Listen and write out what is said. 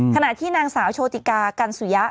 ขณะที่นางสาวโชติกากันสุยะ